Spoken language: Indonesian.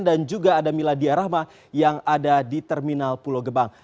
dan juga ada miladiyah rahma yang ada di terminal pulau gebang